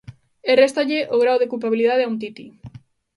E réstalle o grao de culpabilidade a Umtiti.